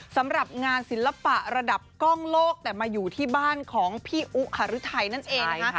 สำหรับงานศิลปะระดับกล้องโลกแต่มาอยู่ที่บ้านของพี่อุหารุทัยนั่นเองนะคะ